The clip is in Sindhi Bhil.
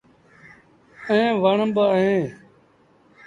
ائيٚݩ وڻ با اوهيݩ۔